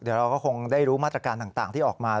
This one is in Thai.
เดี๋ยวเราก็คงได้รู้มาตรการต่างที่ออกมา